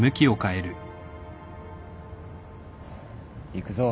行くぞ。